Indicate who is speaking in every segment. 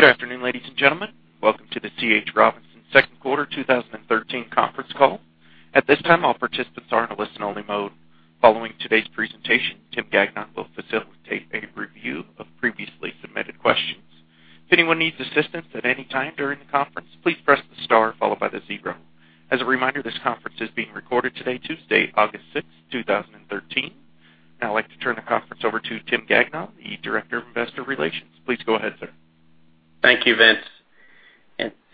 Speaker 1: Good afternoon, ladies and gentlemen. Welcome to the C.H. Robinson second quarter 2013 conference call. At this time, all participants are in a listen-only mode. Following today's presentation, Tim Gagnon will facilitate a review of previously submitted questions. If anyone needs assistance at any time during the conference, please press the star followed by the zero. As a reminder, this conference is being recorded today, Tuesday, August 6th, 2013. Now I'd like to turn the conference over to Tim Gagnon, the Director of Investor Relations. Please go ahead, sir.
Speaker 2: Thank you, Vince.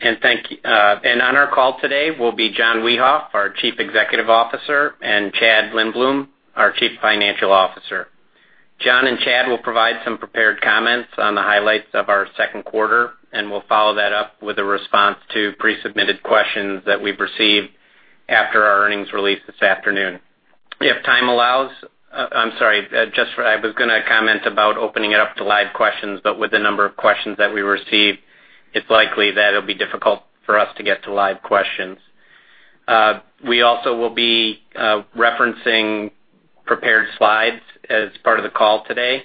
Speaker 2: On our call today will be John Wiehoff, our Chief Executive Officer, and Chad Lindbloom, our Chief Financial Officer. John and Chad will provide some prepared comments on the highlights of our second quarter, and we'll follow that up with a response to pre-submitted questions that we've received after our earnings release this afternoon. If time allows, I'm sorry. I was going to comment about opening it up to live questions, but with the number of questions that we received, it's likely that it'll be difficult for us to get to live questions. We also will be referencing prepared slides as part of the call today.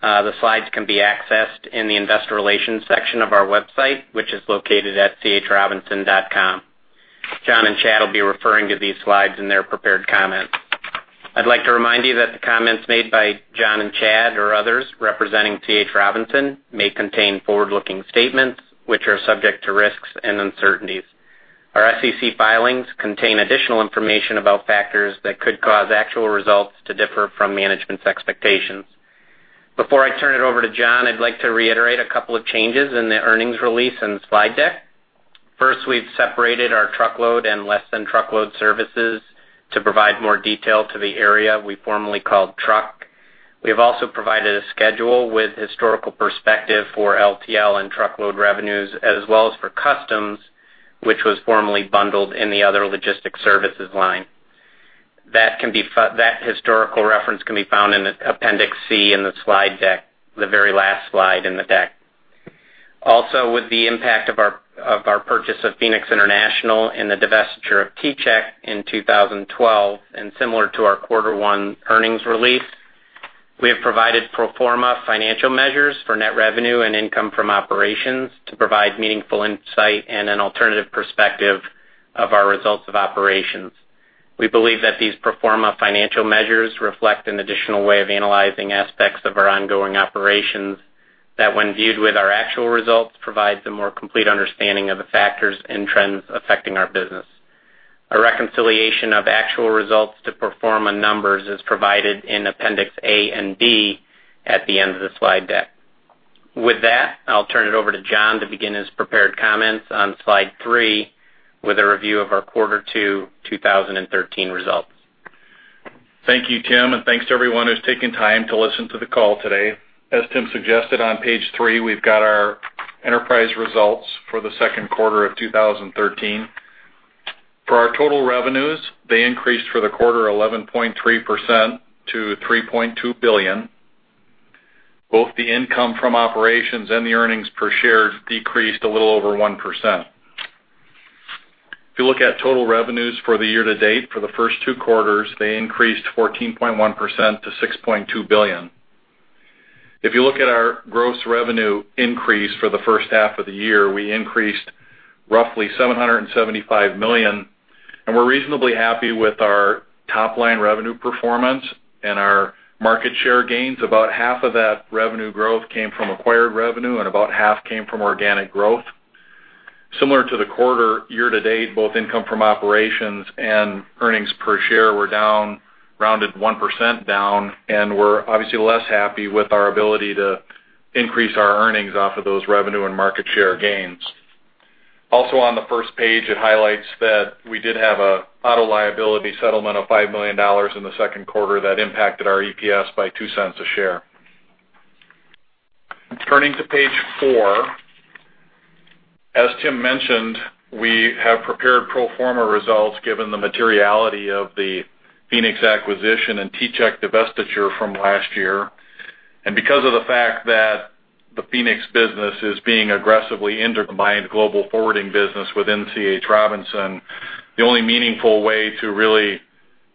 Speaker 2: The slides can be accessed in the investor relations section of our website, which is located at chrobinson.com. John and Chad will be referring to these slides in their prepared comments. I'd like to remind you that the comments made by John and Chad or others representing C.H. Robinson may contain forward-looking statements which are subject to risks and uncertainties. Our SEC filings contain additional information about factors that could cause actual results to differ from management's expectations. Before I turn it over to John, I'd like to reiterate a couple of changes in the earnings release and slide deck. First, we've separated our truckload and Less Than Truckload services to provide more detail to the area we formerly called truck. We have also provided a schedule with historical perspective for LTL and truckload revenues, as well as for customs, which was formerly bundled in the other logistic services line. That historical reference can be found in Appendix C in the slide deck, the very last slide in the deck. With the impact of our purchase of Phoenix International and the divestiture of T-Chek in 2012, and similar to our quarter one earnings release, we have provided pro forma financial measures for net revenue and income from operations to provide meaningful insight and an alternative perspective of our results of operations. We believe that these pro forma financial measures reflect an additional way of analyzing aspects of our ongoing operations that, when viewed with our actual results, provides a more complete understanding of the factors and trends affecting our business. A reconciliation of actual results to pro forma numbers is provided in Appendix A and B at the end of the slide deck. I'll turn it over to John to begin his prepared comments on slide three with a review of our quarter two 2013 results.
Speaker 3: Thank you, Tim, and thanks to everyone who's taking time to listen to the call today. As Tim suggested, on page three, we've got our enterprise results for the second quarter of 2013. For our total revenues, they increased for the quarter 11.3% to $3.2 billion. Both the income from operations and the earnings per share decreased a little over 1%. If you look at total revenues for the year to date for the first two quarters, they increased 14.1% to $6.2 billion. If you look at our gross revenue increase for the first half of the year, we increased roughly $775 million, and we're reasonably happy with our top-line revenue performance and our market share gains. About half of that revenue growth came from acquired revenue and about half came from organic growth. Similar to the quarter year to date, both income from operations and earnings per share were down, rounded 1% down, and we're obviously less happy with our ability to increase our earnings off of those revenue and market share gains. Also on the first page, it highlights that we did have an Auto Liability settlement of $5 million in the second quarter that impacted our EPS by $0.02 a share. Turning to page four. As Tim mentioned, we have prepared pro forma results given the materiality of the Phoenix acquisition and T-Chek divestiture from last year. Because of the fact that the Phoenix business is being aggressively integrated into Global Forwarding business within C.H. Robinson, the only meaningful way to really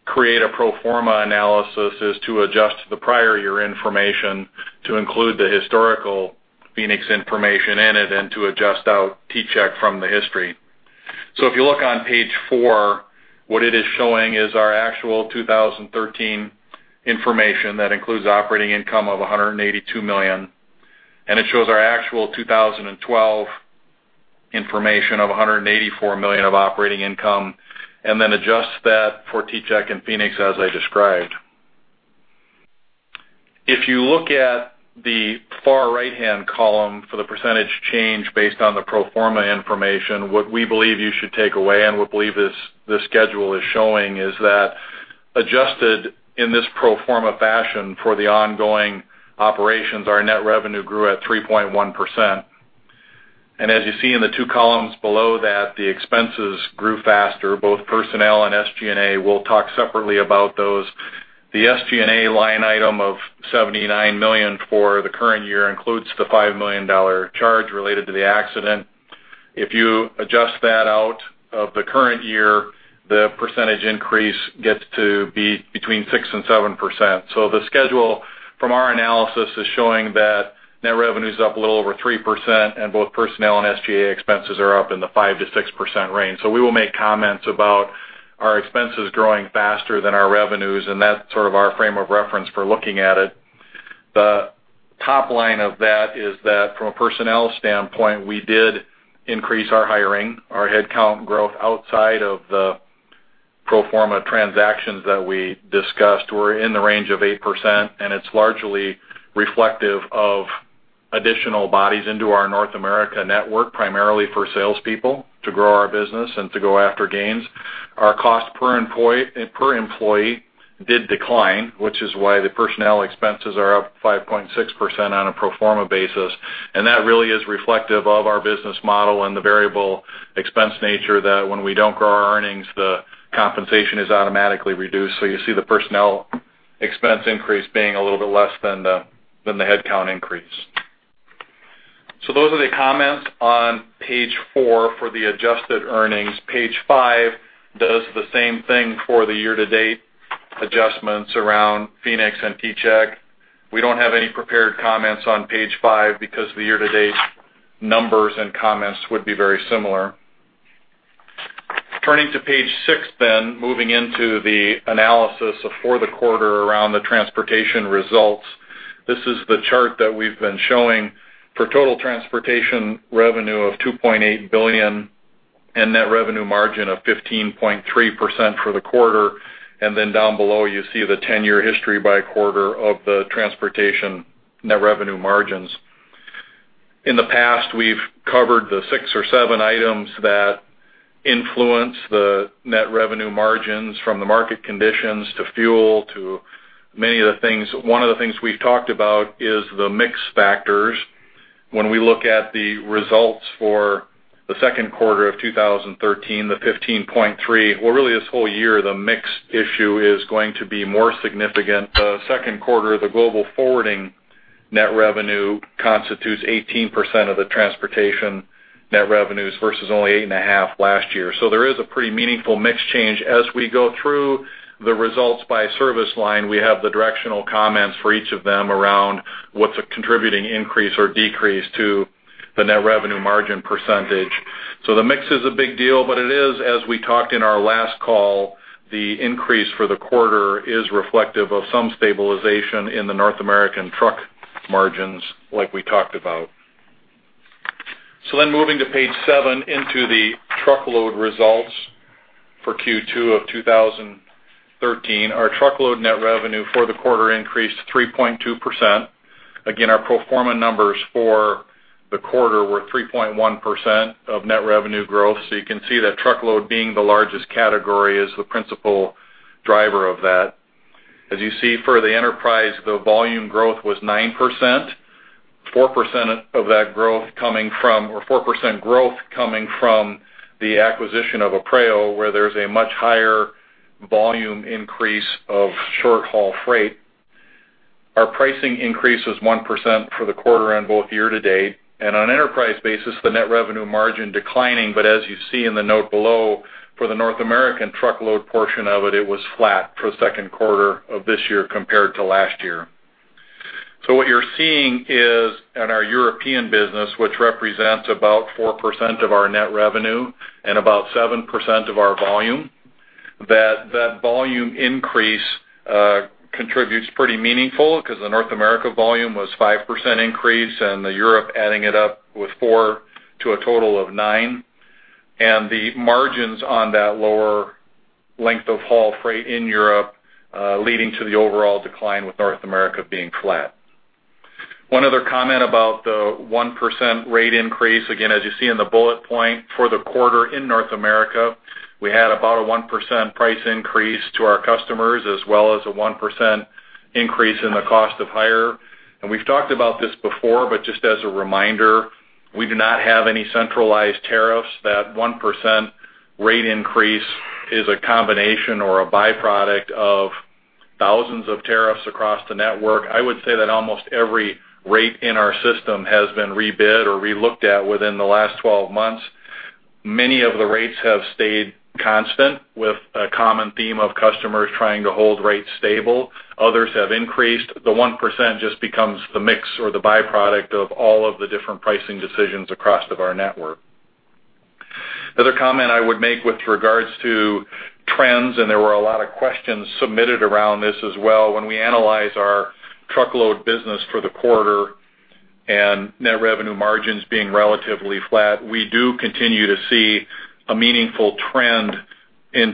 Speaker 3: create a pro forma analysis is to adjust the prior year information to include the historical Phoenix information in it and to adjust out T-Chek from the history. If you look on page four, what it is showing is our actual 2013 information that includes operating income of $182 million. It shows our actual 2012 information of $184 million of operating income, then adjusts that for T-Chek and Phoenix, as I described. If you look at the far right-hand column for the percentage change based on the pro forma information, what we believe you should take away and what we believe this schedule is showing is that adjusted in this pro forma fashion for the ongoing operations, our net revenue grew at 3.1%. As you see in the two columns below that, the expenses grew faster, both personnel and SG&A. We'll talk separately about those. The SG&A line item of $79 million for the current year includes the $5 million charge related to the accident. If you adjust that out of the current year, the percentage increase gets to be between 6%-7%. The schedule from our analysis is showing that net revenue is up a little over 3%, and both personnel and SG&A expenses are up in the 5%-6% range. We will make comments about our expenses growing faster than our revenues, and that's sort of our frame of reference for looking at it. The top line of that is that from a personnel standpoint, we did increase our hiring. Our headcount growth outside of the pro forma transactions that we discussed were in the range of 8%, and it's largely reflective of additional bodies into our North America network, primarily for salespeople to grow our business and to go after gains. Our cost per employee did decline, which is why the personnel expenses are up 5.6% on a pro forma basis. That really is reflective of our business model and the variable expense nature that when we don't grow our earnings, the compensation is automatically reduced. You see the personnel expense increase being a little bit less than the headcount increase. Those are the comments on Page 4 for the adjusted earnings. Page five does the same thing for the year-to-date adjustments around Phoenix and T-Chek. We don't have any prepared comments on Page five because the year-to-date numbers and comments would be very similar. Turning to Page 6, moving into the analysis for the quarter around the transportation results. This is the chart that we've been showing for total transportation revenue of $2.8 billion and net revenue margin of 15.3% for the quarter. Down below, you see the 10-year history by quarter of the transportation net revenue margins. In the past, we've covered the six or seven items that influence the net revenue margins, from the market conditions to fuel to many other things. One of the things we've talked about is the mix factors. When we look at the results for the second quarter of 2013, the 15.3, or really this whole year, the mix issue is going to be more significant. The second quarter, the Global Forwarding net revenue constitutes 18% of the transportation net revenues versus only 8.5% last year. There is a pretty meaningful mix change. As we go through the results by service line, we have the directional comments for each of them around what's a contributing increase or decrease to the net revenue margin percentage. The mix is a big deal. It is, as we talked in our last call, the increase for the quarter is reflective of some stabilization in the North American truck margins like we talked about. Moving to Page seven into the truckload results for Q2 of 2013. Our truckload net revenue for the quarter increased 3.2%. Again, our pro forma numbers for the quarter were 3.1% of net revenue growth. You can see that truckload being the largest category is the principal driver of that. As you see for the enterprise, the volume growth was 9%, 4% growth coming from the acquisition of Apreo, where there's a much higher volume increase of short-haul freight. Our pricing increase was 1% for the quarter and both year to date. On an enterprise basis, the net revenue margin declining, but as you see in the note below, for the North American truckload portion of it was flat for the second quarter of this year compared to last year. What you're seeing is in our European business, which represents about 4% of our net revenue and about 7% of our volume, that volume increase contributes pretty meaningful because the North America volume was 5% increase and the Europe adding it up with 4% to a total of 9%. The margins on that lower length of haul freight in Europe, leading to the overall decline, with North America being flat. One other comment about the 1% rate increase. As you see in the bullet point for the quarter in North America, we had about a 1% price increase to our customers, as well as a 1% increase in the cost of hire. We've talked about this before, but just as a reminder, we do not have any centralized tariffs. That 1% rate increase is a combination or a byproduct of thousands of tariffs across the network. I would say that almost every rate in our system has been rebid or re-looked at within the last 12 months. Many of the rates have stayed constant with a common theme of customers trying to hold rates stable. Others have increased. The 1% just becomes the mix or the byproduct of all of the different pricing decisions across our network. The other comment I would make with regards to trends. There were a lot of questions submitted around this as well. When we analyze our truckload business for the quarter and net revenue margins being relatively flat, we do continue to see a meaningful trend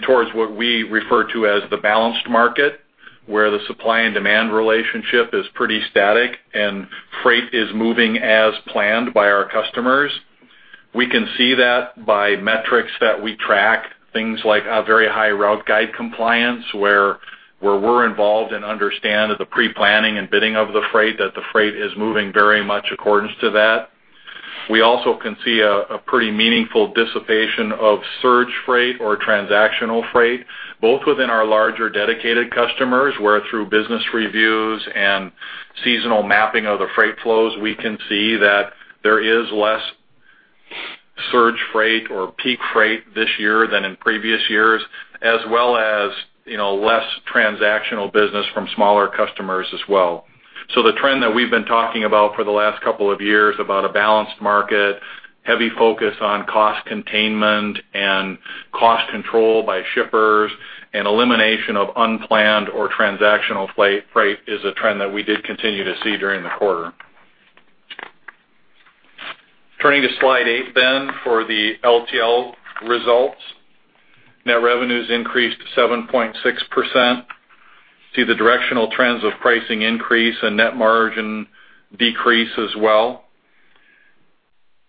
Speaker 3: towards what we refer to as the balanced market, where the supply and demand relationship is pretty static and freight is moving as planned by our customers. We can see that by metrics that we track, things like our very high route guide compliance, where we're involved and understand the pre-planning and bidding of the freight, that the freight is moving very much accordance to that. We also can see a pretty meaningful dissipation of surge freight or transactional freight, both within our larger dedicated customers, where through business reviews and seasonal mapping of the freight flows, we can see that there is less surge freight or peak freight this year than in previous years, as well as less transactional business from smaller customers as well. The trend that we've been talking about for the last couple of years about a balanced market, heavy focus on cost containment and cost control by shippers, and elimination of unplanned or transactional freight, is a trend that we did continue to see during the quarter. Turning to Slide eight for the LTL results. Net revenues increased 7.6%. See the directional trends of pricing increase and net margin decrease as well.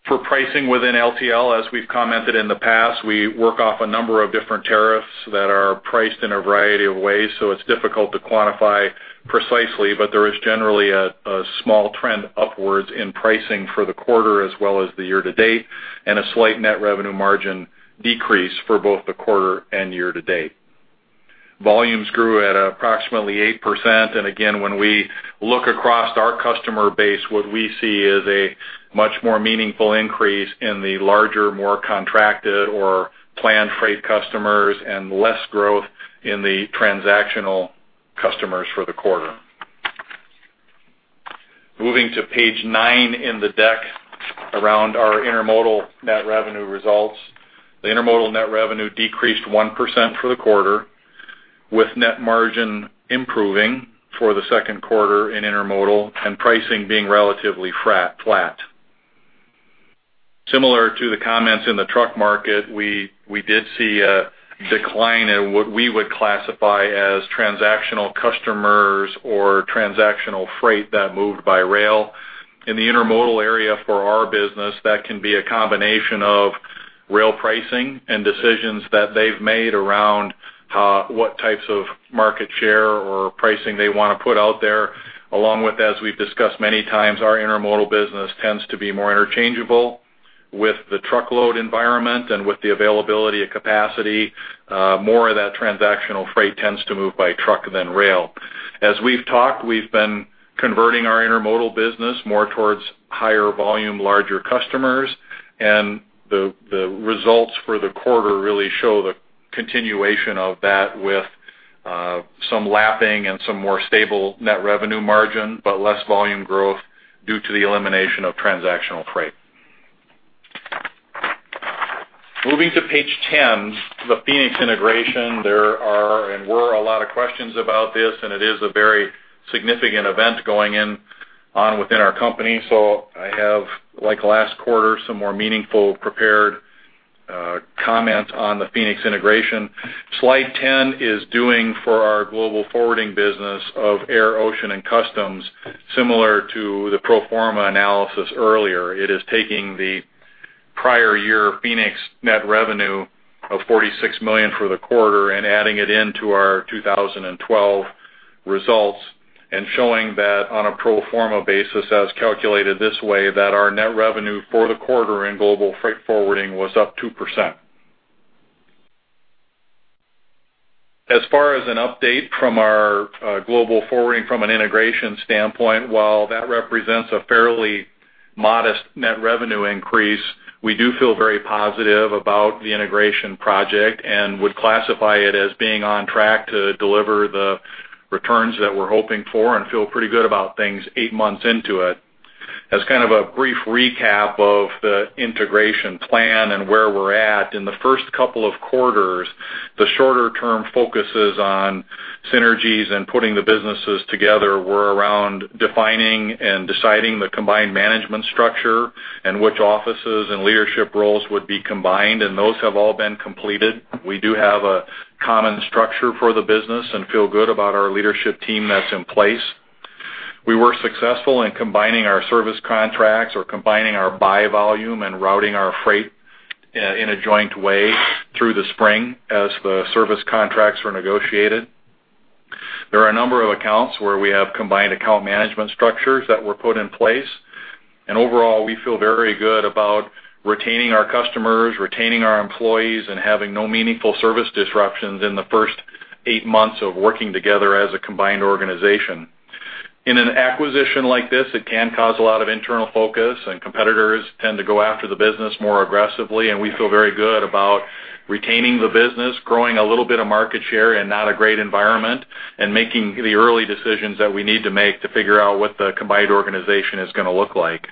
Speaker 3: For pricing within LTL, as we've commented in the past, we work off a number of different tariffs that are priced in a variety of ways, so it's difficult to quantify precisely, but there is generally a small trend upwards in pricing for the quarter, as well as the year to date, and a slight net revenue margin decrease for both the quarter and year to date. Volumes grew at approximately 8%. When we look across our customer base, what we see is a much more meaningful increase in the larger, more contracted or planned freight customers and less growth in the transactional customers for the quarter. Moving to Page nine in the deck around our intermodal net revenue results. The intermodal net revenue decreased 1% for the quarter, with net margin improving for the second quarter in intermodal and pricing being relatively flat. Similar to the comments in the truck market, we did see a decline in what we would classify as transactional customers or transactional freight that moved by rail. In the intermodal area for our business, that can be a combination of rail pricing and decisions that they've made around what types of market share or pricing they want to put out there, along with, as we've discussed many times, our intermodal business tends to be more interchangeable with the truckload environment and with the availability of capacity. More of that transactional freight tends to move by truck than rail. As we've talked, we've been converting our intermodal business more towards higher volume, larger customers, and the results for the quarter really show the continuation of that with some lapping and some more stable net revenue margin, but less volume growth due to the elimination of transactional freight. Moving to Page 10, the Phoenix integration. There are and were a lot of questions about this, and it is a very significant event going on within our company. I have, like last quarter, some more meaningful prepared comments on the Phoenix integration. Slide 10 is doing for our global forwarding business of air, ocean and customs, similar to the pro forma analysis earlier. It is taking the prior year Phoenix net revenue of $46 million for the quarter and adding it into our 2012 results and showing that on a pro forma basis, as calculated this way, that our net revenue for the quarter in global freight forwarding was up 2%. As far as an update from our global forwarding from an integration standpoint, while that represents a fairly modest net revenue increase, we do feel very positive about the integration project and would classify it as being on track to deliver the returns that we're hoping for and feel pretty good about things eight months into it. As kind of a brief recap of the integration plan and where we're at, in the first couple of quarters, the shorter term focuses on synergies and putting the businesses together were around defining and deciding the combined management structure and which offices and leadership roles would be combined, and those have all been completed. We do have a common structure for the business and feel good about our leadership team that's in place. We were successful in combining our service contracts or combining our buy volume and routing our freight in a joint way through the spring as the service contracts were negotiated. There are a number of accounts where we have combined account management structures that were put in place, and overall, we feel very good about retaining our customers, retaining our employees, and having no meaningful service disruptions in the first eight months of working together as a combined organization. In an acquisition like this, it can cause a lot of internal focus, and competitors tend to go after the business more aggressively, and we feel very good about retaining the business, growing a little bit of market share in not a great environment, and making the early decisions that we need to make to figure out what the combined organization is going to look like.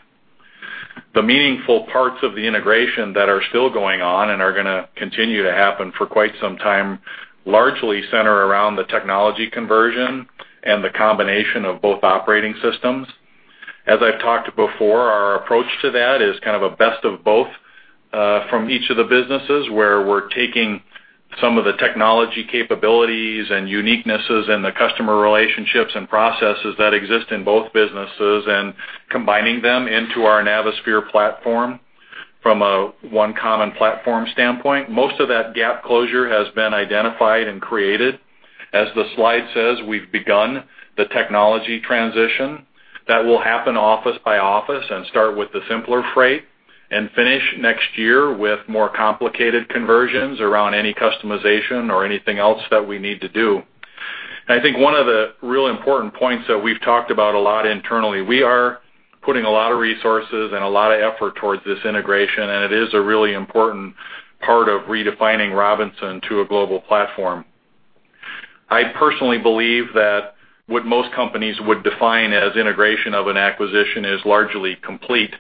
Speaker 3: The meaningful parts of the integration that are still going on and are going to continue to happen for quite some time, largely center around the technology conversion and the combination of both operating systems. I've talked before, our approach to that is kind of a best of both from each of the businesses, where we're taking some of the technology capabilities and uniquenesses and the customer relationships and processes that exist in both businesses and combining them into our Navisphere platform from one common platform standpoint. Most of that gap closure has been identified and created. As the slide says, we've begun the technology transition. That will happen office by office and start with the simpler freight. Finish next year with more complicated conversions around any customization or anything else that we need to do. I think one of the really important points that we've talked about a lot internally, we are putting a lot of resources and a lot of effort towards this integration, and it is a really important part of redefining Robinson to a global platform. I personally believe that what most companies would define as integration of an acquisition is largely complete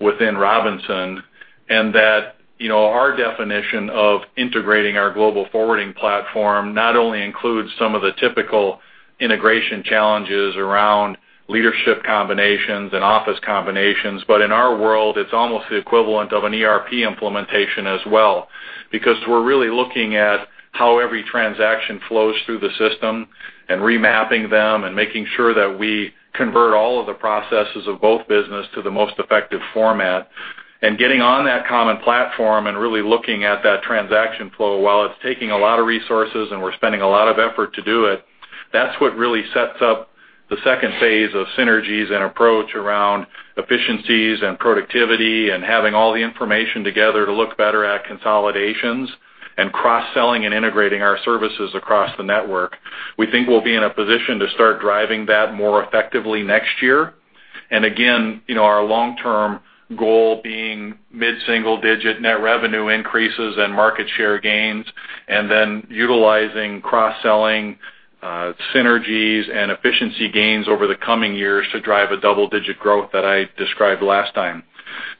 Speaker 3: within Robinson, and that our definition of integrating our Global Forwarding platform not only includes some of the typical integration challenges around leadership combinations and office combinations, but in our world, it's almost the equivalent of an ERP implementation as well. We're really looking at how every transaction flows through the system and remapping them and making sure that we convert all of the processes of both business to the most effective format. Getting on that common platform and really looking at that transaction flow, while it's taking a lot of resources and we're spending a lot of effort to do it, that's what really sets up the second phase of synergies and approach around efficiencies and productivity and having all the information together to look better at consolidations and cross-selling and integrating our services across the network. We think we'll be in a position to start driving that more effectively next year. Again, our long-term goal being mid-single-digit net revenue increases and market share gains, and then utilizing cross-selling synergies and efficiency gains over the coming years to drive a double-digit growth that I described last time.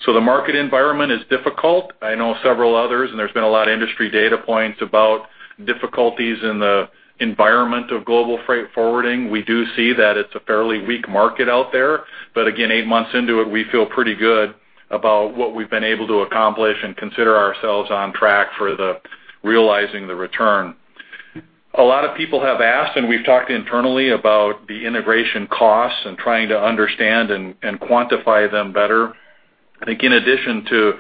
Speaker 3: The market environment is difficult. I know several others, and there's been a lot of industry data points about difficulties in the environment of Global Forwarding. We do see that it's a fairly weak market out there. Again, 8 months into it, we feel pretty good about what we've been able to accomplish and consider ourselves on track for realizing the return. A lot of people have asked, and we've talked internally about the integration costs and trying to understand and quantify them better. I think in addition to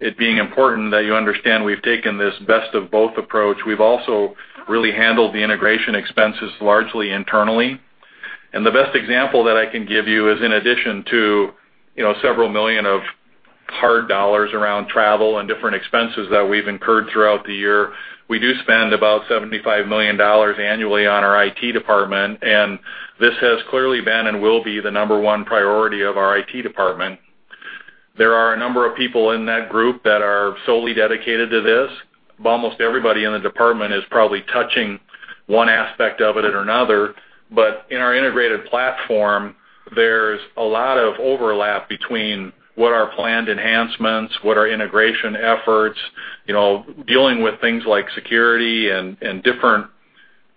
Speaker 3: it being important that you understand we've taken this best of both approach, we've also really handled the integration expenses largely internally. The best example that I can give you is in addition to several million of hard dollars around travel and different expenses that we've incurred throughout the year, we do spend about $75 million annually on our IT department, and this has clearly been and will be the number one priority of our IT department. There are a number of people in that group that are solely dedicated to this, but almost everybody in the department is probably touching one aspect of it or another. In our integrated platform, there's a lot of overlap between what are planned enhancements, what are integration efforts, dealing with things like security and different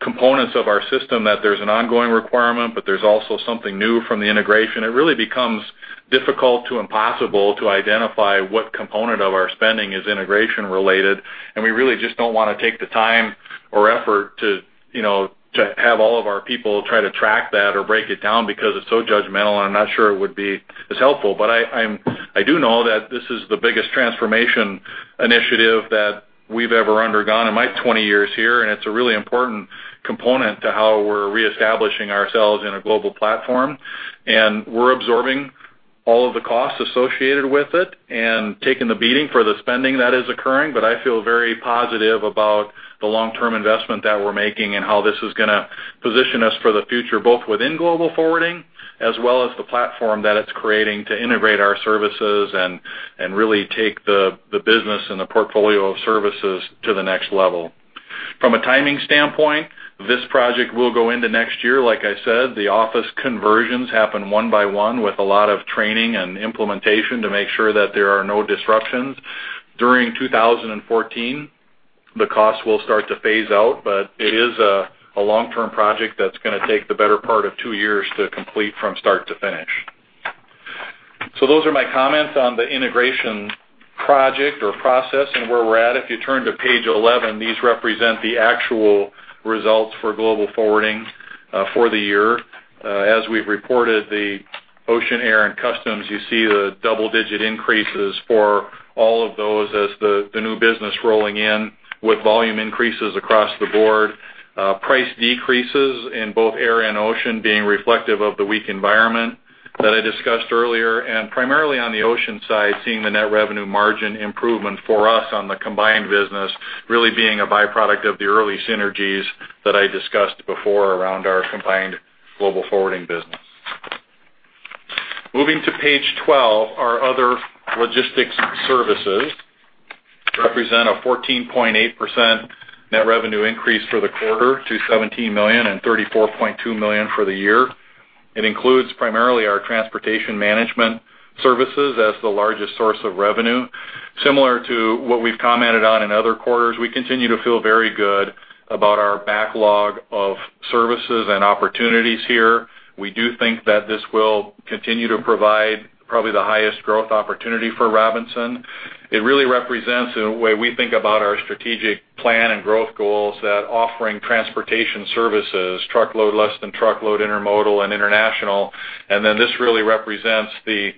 Speaker 3: components of our system that there's an ongoing requirement, there's also something new from the integration. It really becomes difficult to impossible to identify what component of our spending is integration related, and we really just don't want to take the time or effort to have all of our people try to track that or break it down because it's so judgmental, and I'm not sure it would be as helpful. I do know that this is the biggest transformation initiative that we've ever undergone in my 20 years here, and it's a really important component to how we're reestablishing ourselves in a global platform. We're absorbing all of the costs associated with it and taking the beating for the spending that is occurring. I feel very positive about the long-term investment that we're making and how this is going to position us for the future, both within Global Forwarding as well as the platform that it's creating to integrate our services and really take the business and the portfolio of services to the next level. From a timing standpoint, this project will go into next year. Like I said, the office conversions happen one by one with a lot of training and implementation to make sure that there are no disruptions. During 2014, the cost will start to phase out, but it is a long-term project that's going to take the better part of two years to complete from start to finish. Those are my comments on the integration project or process and where we're at. If you turn to page 11, these represent the actual results for Global Forwarding for the year. As we've reported, the ocean, air, and customs, you see the double-digit increases for all of those as the new business rolling in with volume increases across the board. Price decreases in both air and ocean being reflective of the weak environment that I discussed earlier. Primarily on the ocean side, seeing the Net Revenue Margin improvement for us on the combined business really being a byproduct of the early synergies that I discussed before around our combined Global Forwarding business. Moving to page 12, our other logistics services represent a 14.8% Net Revenue increase for the quarter to $17 million and $34.2 million for the year. It includes primarily our transportation management services as the largest source of revenue. Similar to what we've commented on in other quarters, we continue to feel very good about our backlog of services and opportunities here. We do think that this will continue to provide probably the highest growth opportunity for Robinson. It really represents the way we think about our strategic plan and growth goals that offering transportation services, Truckload, Less Than Truckload, Intermodal, and international. Then this really represents the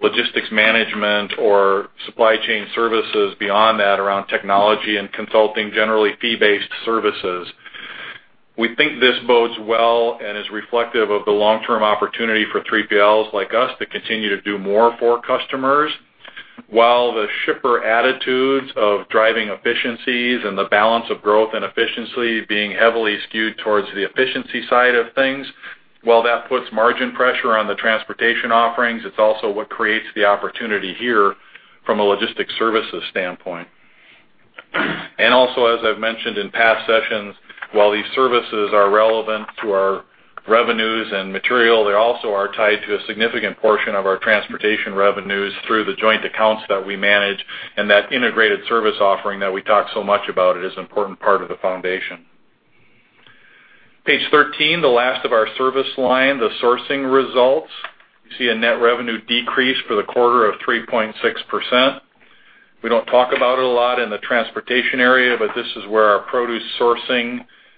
Speaker 3: logistics management or supply chain services beyond that around technology and consulting, generally fee-based services. We think this bodes well and is reflective of the long-term opportunity for 3PLs like us to continue to do more for customers. While the shipper attitudes of driving efficiencies and the balance of growth and efficiency being heavily skewed towards the efficiency side of things, while that puts margin pressure on the transportation offerings, it's also what creates the opportunity here from a logistics services standpoint. Also, as I've mentioned in past sessions, while these services are relevant to our revenues and material, they also are tied to a significant portion of our transportation revenues through the joint accounts that we manage, and that integrated service offering that we talk so much about is an important part of the foundation. Page 13, the last of our service line, the sourcing results. You see a net revenue decrease for the quarter of 3.6%. We don't talk about it a lot in the transportation area, this is where our produce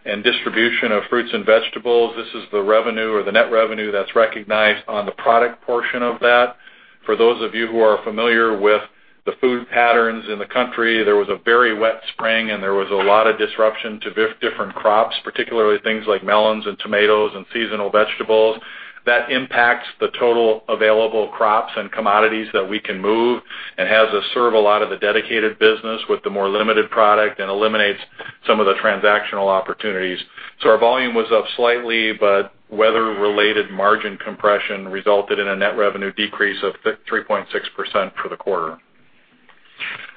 Speaker 3: sourcing and distribution of fruits and vegetables, this is the revenue or the net revenue that's recognized on the product portion of that. For those of you who are familiar with the food patterns in the country, there was a very wet spring, and there was a lot of disruption to different crops, particularly things like melons and tomatoes and seasonal vegetables. That impacts the total available crops and commodities that we can move and has us serve a lot of the dedicated business with the more limited product and eliminates some of the transactional opportunities. Our volume was up slightly, but weather-related margin compression resulted in a net revenue decrease of 3.6% for the quarter.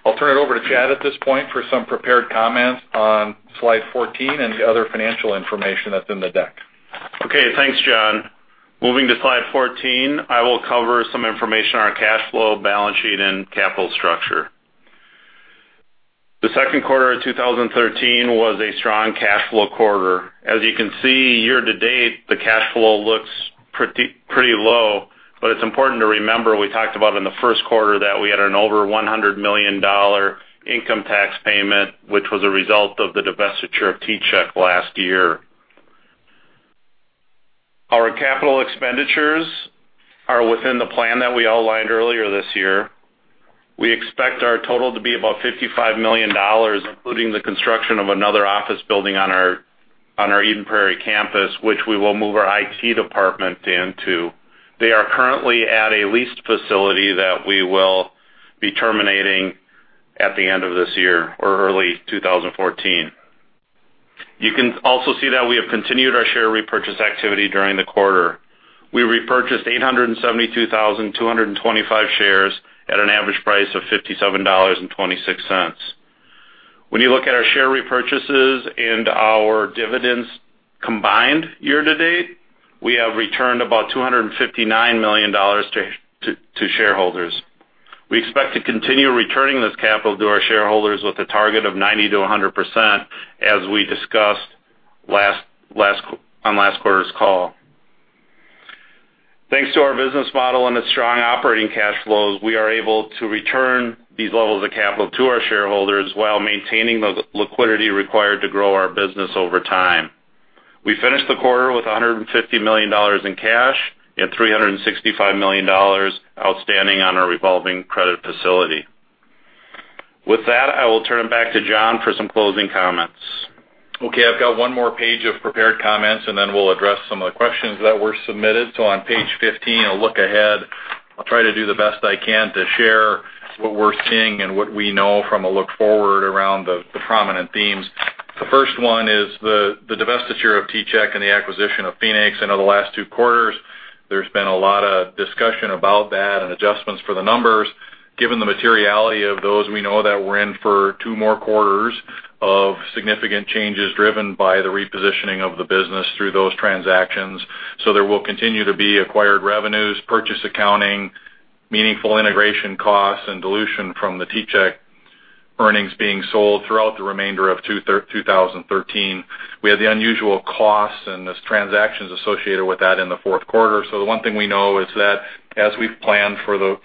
Speaker 3: I'll turn it over to Chad at this point for some prepared comments on Slide 14 and the other financial information that's in the deck.
Speaker 4: Okay, thanks, John. Moving to Slide 14, I will cover some information on our cash flow, balance sheet, and capital structure. The second quarter of 2013 was a strong cash flow quarter. As you can see year-to-date, the cash flow looks pretty low, but it's important to remember, we talked about in the first quarter that we had an over $100 million income tax payment, which was a result of the divestiture of T-Chek last year. Our capital expenditures are within the plan that we outlined earlier this year. We expect our total to be about $55 million, including the construction of another office building on our Eden Prairie campus, which we will move our IT department into. They are currently at a leased facility that we will be terminating at the end of this year or early 2014. You can also see that we have continued our share repurchase activity during the quarter. We repurchased 872,225 shares at an average price of $57.26. When you look at our share repurchases and our dividends combined year-to-date, we have returned about $259 million to shareholders. We expect to continue returning this capital to our shareholders with a target of 90%-100%, as we discussed on last quarter's call. Thanks to our business model and its strong operating cash flows, we are able to return these levels of capital to our shareholders while maintaining the liquidity required to grow our business over time. We finished the quarter with $150 million in cash and $365 million outstanding on our revolving credit facility. With that, I will turn it back to John for some closing comments.
Speaker 3: I've got one more page of prepared comments, and then we'll address some of the questions that were submitted. On Page 15, a look ahead. I'll try to do the best I can to share what we're seeing and what we know from a look forward around the prominent themes. The first one is the divestiture of T-Chek and the acquisition of Phoenix. I know the last two quarters, there's been a lot of discussion about that and adjustments for the numbers. Given the materiality of those, we know that we're in for two more quarters of significant changes driven by the repositioning of the business through those transactions. There will continue to be acquired revenues, purchase accounting, meaningful integration costs, and dilution from the T-Chek earnings being sold throughout the remainder of 2013. We had the unusual costs and those transactions associated with that in the fourth quarter. The one thing we know is that as we've planned for the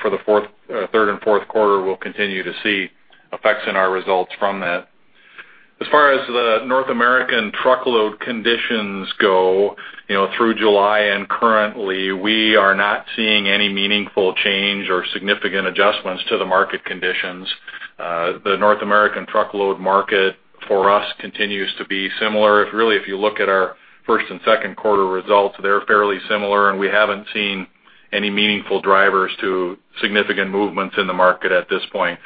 Speaker 3: third and fourth quarter, we'll continue to see effects in our results from that. As far as the North American truckload conditions go, through July and currently, we are not seeing any meaningful change or significant adjustments to the market conditions. The North American truckload market for us continues to be similar. Really, if you look at our first and second quarter results, they're fairly similar, and we haven't seen any meaningful drivers to significant movements in the market at this point.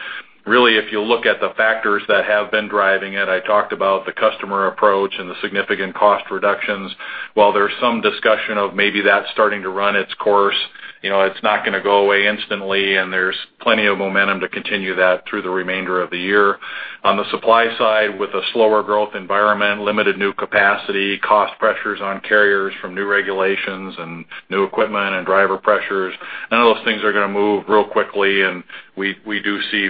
Speaker 3: Really, if you look at the factors that have been driving it, I talked about the customer approach and the significant cost reductions. While there's some discussion of maybe that starting to run its course, it's not going to go away instantly, and there's plenty of momentum to continue that through the remainder of the year. On the supply side, with a slower growth environment, limited new capacity, cost pressures on carriers from new regulations and new equipment, and driver pressures, none of those things are going to move real quickly, and we do see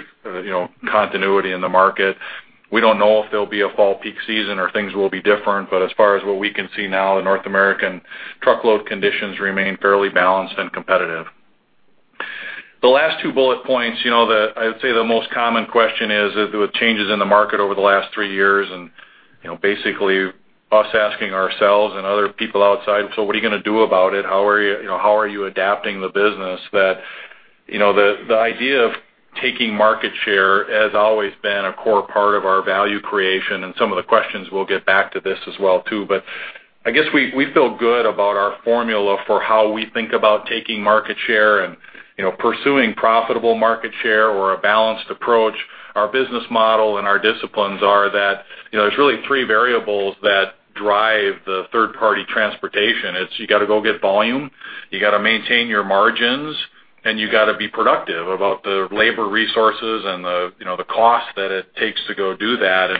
Speaker 3: continuity in the market. We don't know if there'll be a fall peak season or things will be different, but as far as what we can see now, the North American truckload conditions remain fairly balanced and competitive. The last two bullet points, I would say the most common question is with changes in the market over the last three years, and basically us asking ourselves and other people outside, so what are you going to do about it? How are you adapting the business? The idea of taking market share has always been a core part of our value creation, and some of the questions we'll get back to this as well too. I guess we feel good about our formula for how we think about taking market share and pursuing profitable market share or a balanced approach. Our business model and our disciplines are that there's really three variables that drive the third-party transportation. It's you got to go get volume, you got to maintain your margins, and you got to be productive about the labor resources and the cost that it takes to go do that.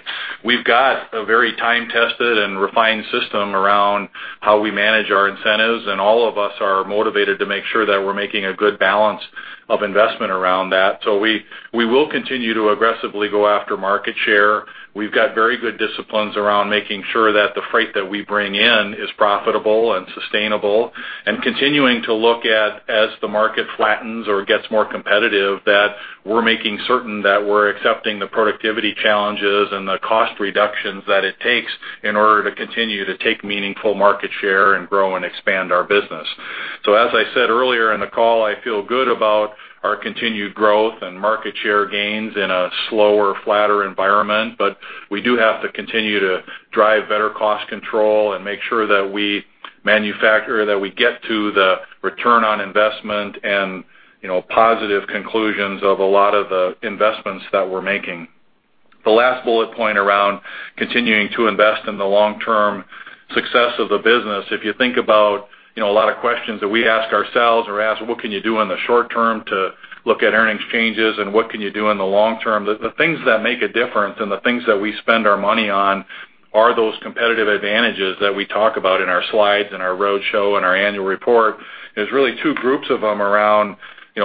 Speaker 3: We've got a very time-tested and refined system around how we manage our incentives, and all of us are motivated to make sure that we're making a good balance of investment around that. We will continue to aggressively go after market share. We've got very good disciplines around making sure that the freight that we bring in is profitable and sustainable. Continuing to look at, as the market flattens or gets more competitive, that we're making certain that we're accepting the productivity challenges and the cost reductions that it takes in order to continue to take meaningful market share and grow and expand our business. As I said earlier in the call, I feel good about our continued growth and market share gains in a slower, flatter environment. We do have to continue to drive better cost control and make sure that we manufacture, that we get to the return on investment and positive conclusions of a lot of the investments that we're making. The last bullet point around continuing to invest in the long-term success of the business, if you think about a lot of questions that we ask ourselves or ask, what can you do in the short term to look at earnings changes and what can you do in the long term? The things that make a difference and the things that we spend our money on are those competitive advantages that we talk about in our slides and our roadshow and our annual report. There's really two groups of them around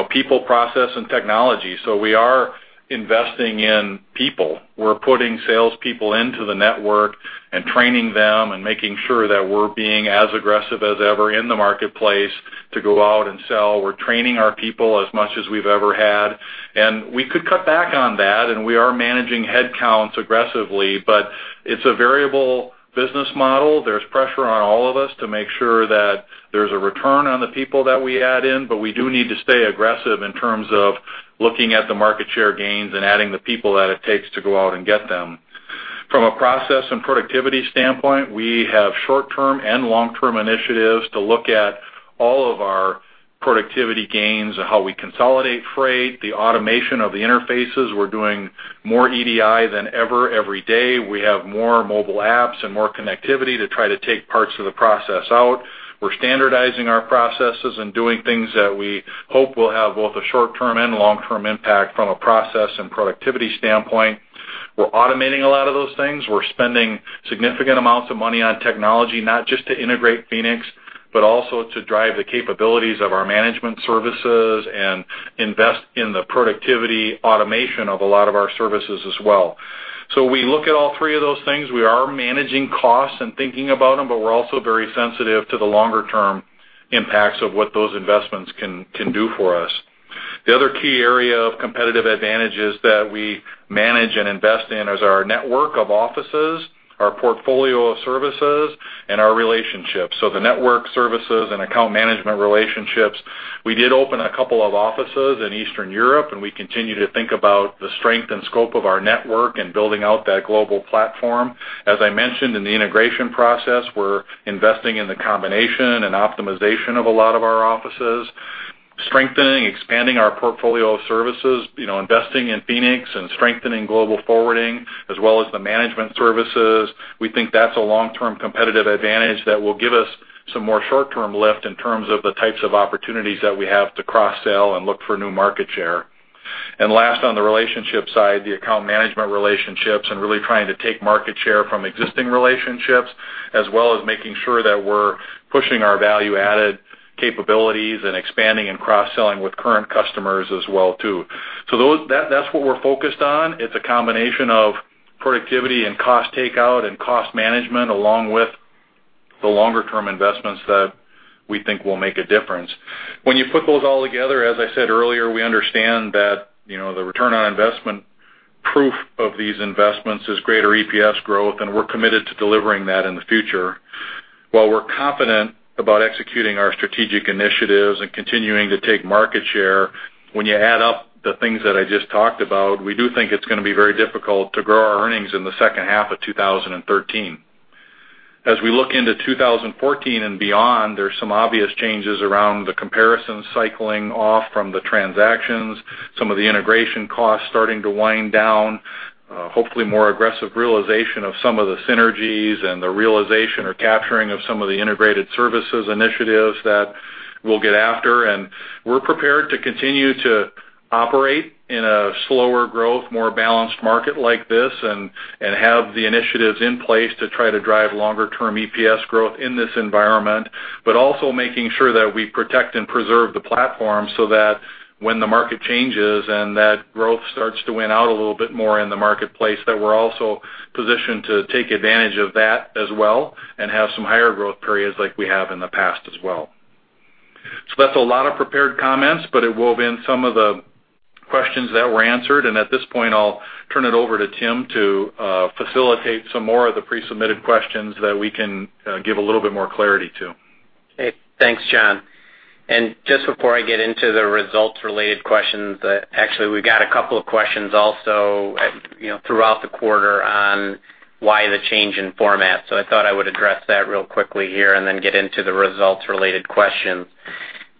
Speaker 3: people, process, and technology. We are investing in people. We're putting salespeople into the network and training them and making sure that we're being as aggressive as ever in the marketplace to go out and sell. We're training our people as much as we've ever had, and we could cut back on that, and we are managing headcounts aggressively, but it's a variable business model. There's pressure on all of us to make sure that there's a return on the people that we add in, but we do need to stay aggressive in terms of looking at the market share gains and adding the people that it takes to go out and get them. From a process and productivity standpoint, we have short-term and long-term initiatives to look at all of our productivity gains and how we consolidate freight, the automation of the interfaces. We're doing more EDI than ever every day. We have more mobile apps and more connectivity to try to take parts of the process out. We're standardizing our processes and doing things that we hope will have both a short-term and long-term impact from a process and productivity standpoint. We're automating a lot of those things. We're spending significant amounts of money on technology, not just to integrate Phoenix, but also to drive the capabilities of our management services and invest in the productivity automation of a lot of our services as well. We look at all three of those things. We are managing costs and thinking about them, but we're also very sensitive to the longer-term impacts of what those investments can do for us. The other key area of competitive advantage is that we manage and invest in is our network of offices, our portfolio of services, and our relationships. The network services and account management relationships. We did open a couple of offices in Eastern Europe, and we continue to think about the strength and scope of our network and building out that global platform. As I mentioned in the integration process, we're investing in the combination and optimization of a lot of our offices, strengthening, expanding our portfolio of services, investing in Phoenix and strengthening Global Forwarding, as well as the management services. We think that's a long-term competitive advantage that will give us some more short-term lift in terms of the types of opportunities that we have to cross-sell and look for new market share. Last, on the relationship side, the account management relationships and really trying to take market share from existing relationships, as well as making sure that we're pushing our value-added capabilities and expanding and cross-selling with current customers as well, too. That's what we're focused on. It's a combination of productivity and cost takeout and cost management, along with the longer-term investments that we think will make a difference. When you put those all together, as I said earlier, we understand that the return on investment proof of these investments is greater EPS growth, and we're committed to delivering that in the future. While we're confident about executing our strategic initiatives and continuing to take market share, when you add up the things that I just talked about, we do think it's going to be very difficult to grow our earnings in the second half of 2013. As we look into 2014 and beyond, there's some obvious changes around the comparison cycling off from the transactions, some of the integration costs starting to wind down, hopefully more aggressive realization of some of the synergies and the realization or capturing of some of the integrated services initiatives that we'll get after. We're prepared to continue to operate in a slower growth, more balanced market like this and have the initiatives in place to try to drive longer-term EPS growth in this environment. making sure that we protect and preserve the platform so that when the market changes and that growth starts to win out a little bit more in the marketplace, that we're also positioned to take advantage of that as well and have some higher growth periods like we have in the past as well. That's a lot of prepared comments, but it wove in some of the questions that were answered, and at this point, I'll turn it over to Tim to facilitate some more of the pre-submitted questions that we can give a little bit more clarity to.
Speaker 2: Okay. Thanks, John. Just before I get into the results-related questions, actually, we got a couple of questions also throughout the quarter on why the change in format. I thought I would address that real quickly here and then get into the results-related questions.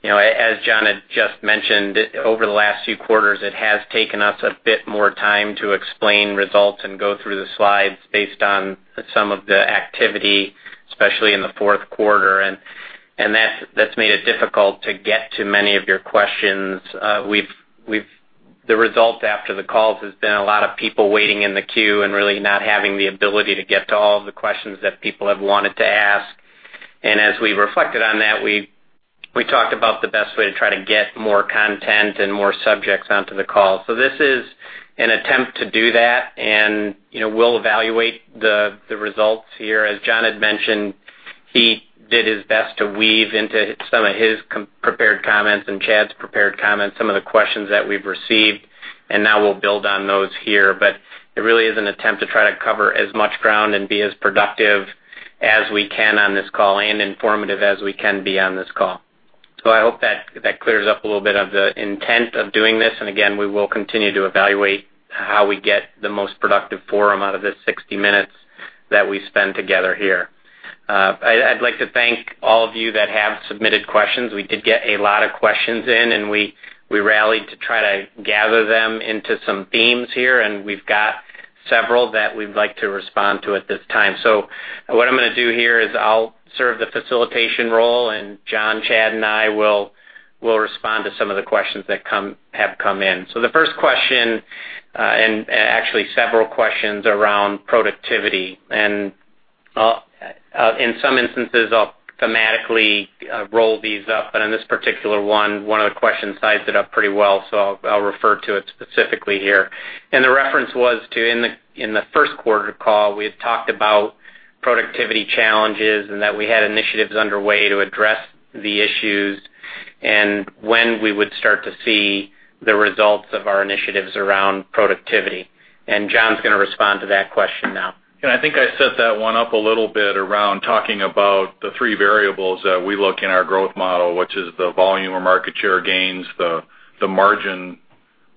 Speaker 2: As John had just mentioned, over the last few quarters, it has taken us a bit more time to explain results and go through the slides based on some of the activity, especially in the fourth quarter. That's made it difficult to get to many of your questions. The result after the calls has been a lot of people waiting in the queue and really not having the ability to get to all of the questions that people have wanted to ask. As we reflected on that, we talked about the best way to try to get more content and more subjects onto the call. This is an attempt to do that, and we'll evaluate the results here. As John had mentioned, he did his best to weave into some of his prepared comments and Chad's prepared comments some of the questions that we've received, and now we'll build on those here. It really is an attempt to try to cover as much ground and be as productive as we can on this call and informative as we can be on this call. I hope that clears up a little bit of the intent of doing this. Again, we will continue to evaluate how we get the most productive forum out of the 60 minutes that we spend together here. I'd like to thank all of you that have submitted questions. We did get a lot of questions in, we rallied to try to gather them into some themes here, and we've got several that we'd like to respond to at this time. What I'm going to do here is I'll serve the facilitation role, and John, Chad, and I will respond to some of the questions that have come in. The first question, actually several questions around productivity. In some instances, I'll thematically roll these up. On this particular one of the questions sized it up pretty well, so I'll refer to it specifically here. The reference was to in the first quarter call, we had talked about productivity challenges and that we had initiatives underway to address the issues and when we would start to see the results of our initiatives around productivity. John's going to respond to that question now.
Speaker 3: I think I set that one up a little bit around talking about the three variables that we look in our growth model, which is the volume or market share gains, the margin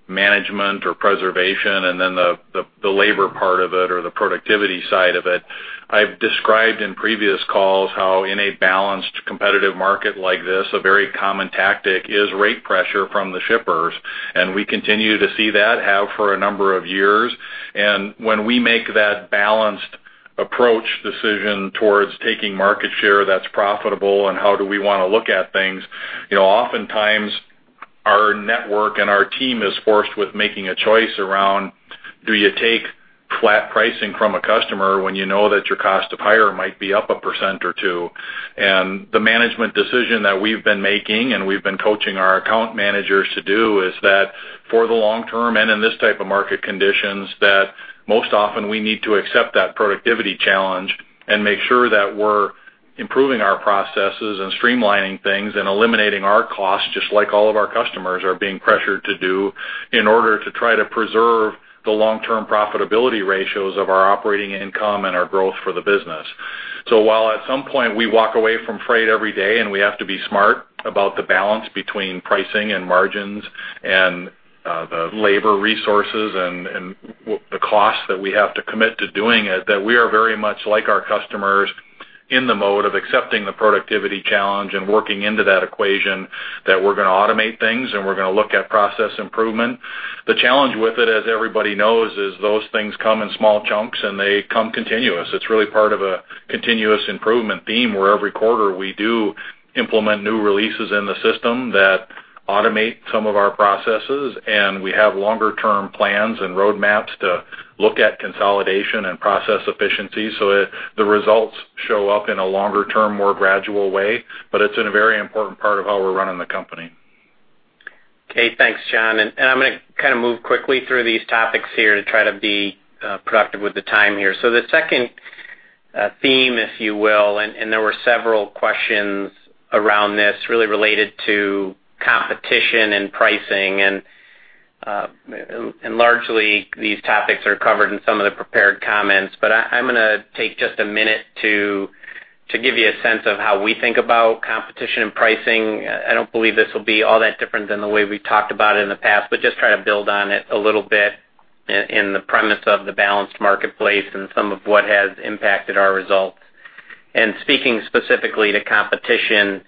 Speaker 3: management or preservation, and then the labor part of it or the productivity side of it. I've described in previous calls how in a balanced competitive market like this, a very common tactic is rate pressure from the shippers. We continue to see that, have for a number of years. When we make that balanced approach decision towards taking market share that's profitable and how do we want to look at things, oftentimes our network and our team is forced with making a choice around, do you take flat pricing from a customer when you know that your cost to hire might be up 1% or 2%? The management decision that we've been making and we've been coaching our account managers to do is that for the long term and in this type of market conditions, that most often we need to accept that productivity challenge and make sure that we're improving our processes and streamlining things and eliminating our costs, just like all of our customers are being pressured to do in order to try to preserve the long-term profitability ratios of our operating income and our growth for the business. While at some point we walk away from freight every day, and we have to be smart about the balance between pricing and margins and the labor resources and the costs that we have to commit to doing it, that we are very much like our customers in the mode of accepting the productivity challenge and working into that equation that we're going to automate things and we're going to look at process improvement. The challenge with it, as everybody knows, is those things come in small chunks, and they come continuous. It's really part of a continuous improvement theme where every quarter we do implement new releases in the system that automate some of our processes, and we have longer-term plans and roadmaps to look at consolidation and process efficiency. The results show up in a longer-term, more gradual way, but it's a very important part of how we're running the company.
Speaker 2: Okay, thanks, John. I'm going to move quickly through these topics here to try to be productive with the time here. The second theme, if you will, and there were several questions around this really related to competition and pricing, and largely these topics are covered in some of the prepared comments. I'm going to take just a minute to give you a sense of how we think about competition and pricing. I don't believe this will be all that different than the way we've talked about it in the past, but just try to build on it a little bit in the premise of the balanced marketplace and some of what has impacted our results. Speaking specifically to competition,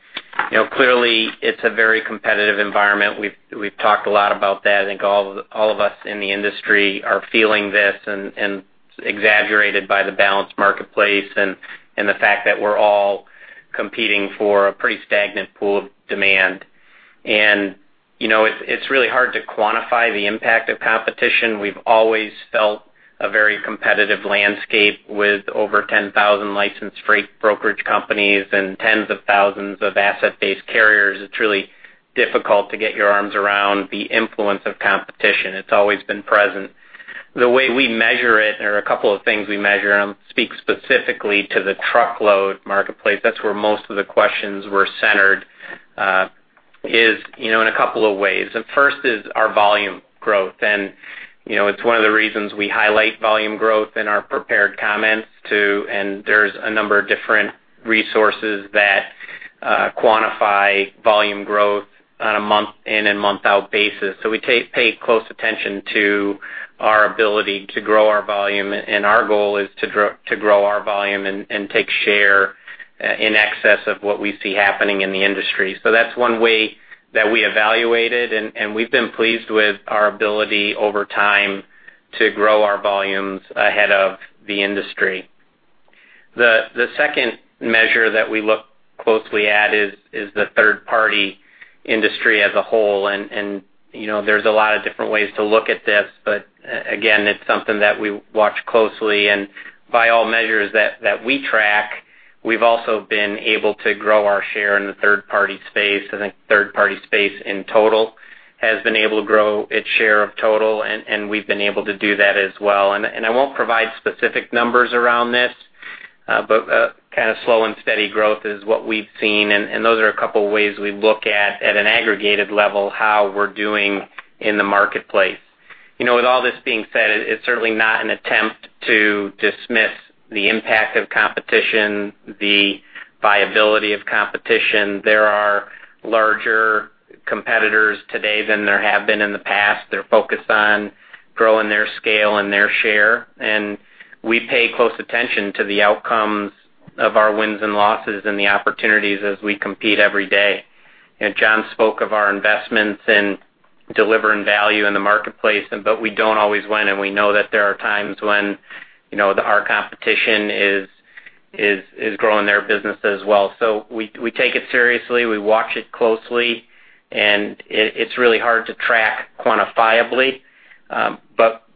Speaker 2: clearly it's a very competitive environment. We've talked a lot about that. I think all of us in the industry are feeling this and exaggerated by the balanced marketplace and the fact that we're all competing for a pretty stagnant pool of demand. It's really hard to quantify the impact of competition. We've always felt a very competitive landscape with over 10,000 licensed freight brokerage companies and tens of thousands of asset-based carriers. It's really difficult to get your arms around the influence of competition. It's always been present. The way we measure it, there are a couple of things we measure, and I'll speak specifically to the truckload marketplace. That's where most of the questions were centered, is in a couple of ways. First is our volume growth. It's one of the reasons we highlight volume growth in our prepared comments too, and there's a number of different resources that quantify volume growth on a month in and month out basis. We pay close attention to our ability to grow our volume, and our goal is to grow our volume and take share in excess of what we see happening in the industry. The second measure that we look closely at is the third party industry as a whole. There's a lot of different ways to look at this, but again, it's something that we watch closely. By all measures that we track, we've also been able to grow our share in the third party space. I think 3PL space in total has been able to grow its share of total, and we've been able to do that as well. I won't provide specific numbers around this, but slow and steady growth is what we've seen. Those are a couple of ways we look at an aggregated level, how we're doing in the marketplace. With all this being said, it's certainly not an attempt to dismiss the impact of competition, the viability of competition. There are larger competitors today than there have been in the past. They're focused on growing their scale and their share. We pay close attention to the outcomes of our wins and losses and the opportunities as we compete every day. John spoke of our investments in delivering value in the marketplace, but we don't always win, and we know that there are times when our competition is growing their business as well. We take it seriously. We watch it closely, and it's really hard to track quantifiably.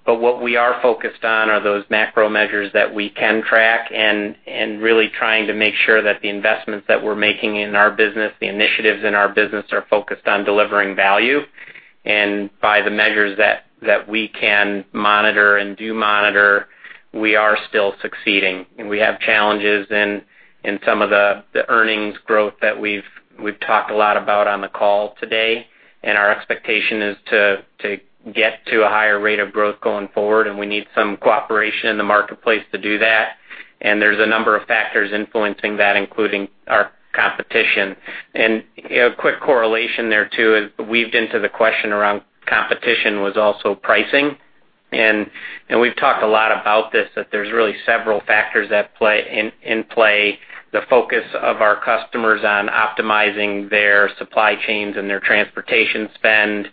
Speaker 2: What we are focused on are those macro measures that we can track and really trying to make sure that the investments that we're making in our business, the initiatives in our business are focused on delivering value. By the measures that we can monitor and do monitor, we are still succeeding. We have challenges in some of the earnings growth that we've talked a lot about on the call today. Our expectation is to get to a higher rate of growth going forward, and we need some cooperation in the marketplace to do that. There's a number of factors influencing that, including our competition. A quick correlation there, too, weaved into the question around competition was also pricing. We've talked a lot about this, that there's really several factors in play. The focus of our customers on optimizing their supply chains and their transportation spend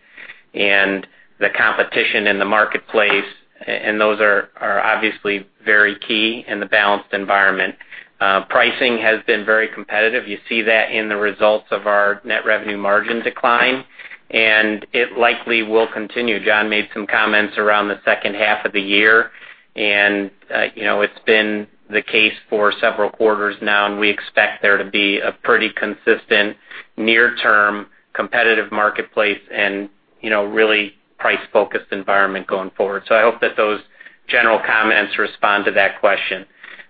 Speaker 2: and the competition in the marketplace, and those are obviously very key in the balanced environment. Pricing has been very competitive. You see that in the results of our Net Revenue Margin decline, and it likely will continue. John made some comments around the second half of the year, and it's been the case for several quarters now, and we expect there to be a pretty consistent near term competitive marketplace and really price-focused environment going forward. I hope that those general comments respond to that question.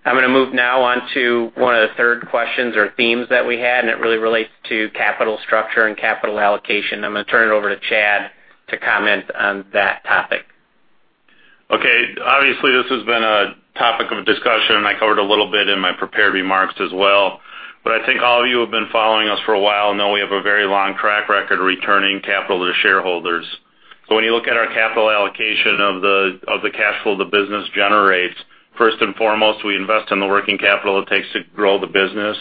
Speaker 2: I'm going to move now on to one of the third questions or themes that we had, and it really relates to capital structure and capital allocation. I'm going to turn it over to Chad to comment on that topic.
Speaker 4: Okay. Obviously, this has been a topic of discussion, and I covered a little bit in my prepared remarks as well. I think all of you who have been following us for a while know we have a very long track record of returning capital to shareholders. When you look at our capital allocation of the cash flow the business generates, first and foremost, we invest in the working capital it takes to grow the business.